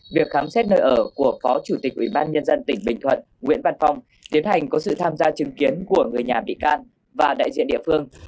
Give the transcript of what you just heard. việc khám xét nơi ở của phó chủ tịch ubnd tỉnh bình thuận nguyễn văn phong tiến hành có sự tham gia chứng kiến của người nhà bị can và đại diện địa phương